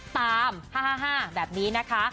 ตาม๕๕แบบนี้นะคะ